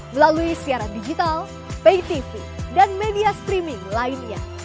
melalui siaran digital pay tv dan media streaming lainnya